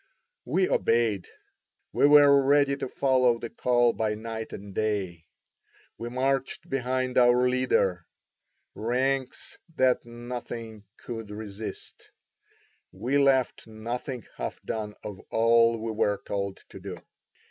We obeyed; we were ready to follow the call by night and day; we marched behind our leader, ranks that nothing could resist; we left nothing half done of all we were told to do.